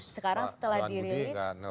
sekarang setelah dirilis